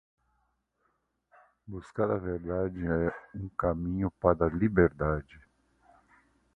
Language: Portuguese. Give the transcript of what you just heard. Buscar a verdade é um caminho para a liberdade.